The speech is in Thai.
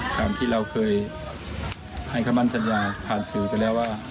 ตามที่เราเคยให้คำมั่นสัญญาผ่านสื่อไปแล้วว่า